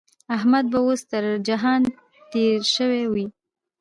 احمد به اوس تر جهان تېری شوی وي.